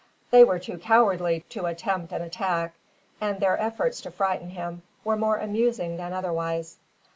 They were too cowardly to attempt an attack; and their efforts to frighten him were more amusing than otherwise.